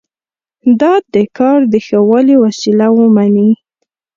دا د کار د ښه والي وسیله ومني.